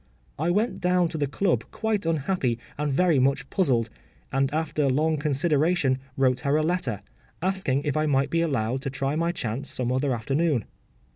I went down to the club quite unhappy and very much puzzled, and after long consideration wrote her a letter, asking if I might be allowed to try my chance some other afternoon.